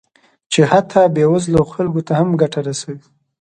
چې حتی بې وزلو خلکو ته هم ګټه رسوي